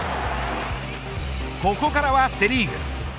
ここからはセ・リーグ。